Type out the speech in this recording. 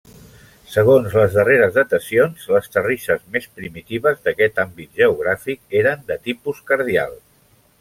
Segons les darreres datacions, les terrisses més primitives d'aquest àmbit geogràfic eren de tipus cardial.